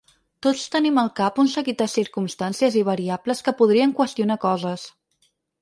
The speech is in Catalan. Tots tenim al cap un seguit de circumstàncies i variables que podrien qüestionar coses.